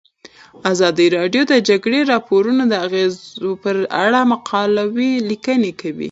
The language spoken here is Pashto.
ازادي راډیو د د جګړې راپورونه د اغیزو په اړه مقالو لیکلي.